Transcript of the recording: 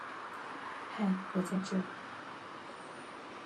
嗨我在這